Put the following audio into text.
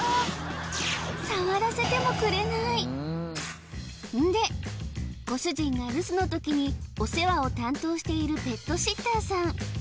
触らせてもくれないんでご主人が留守の時にお世話を担当しているペットシッターさん